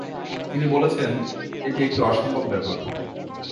তিনি বলেছেন, এটি একটি অসম্ভব ব্যাপার।